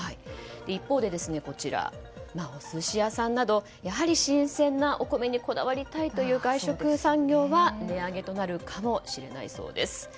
一方でお寿司屋さんなど新鮮なお米にこだわりたい外食産業は値上げとなるかもしれないそうです。